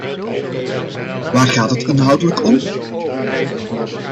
Waar gaat het inhoudelijk om?